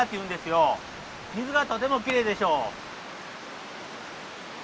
水がとてもきれいでしょう。